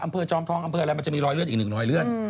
อำเภอจอมท้องอำเภออะไรมันจะมีรอยเลื่อนอีกหนึ่ง